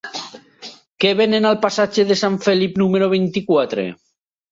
Què venen al passatge de Sant Felip número vint-i-quatre?